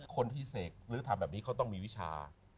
คนที่เสกหรือทำแบบนี้เขาต้องมีวิชา